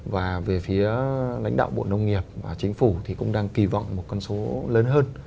và về phía lãnh đạo bộ nông nghiệp và chính phủ thì cũng đang kỳ vọng một con số lớn hơn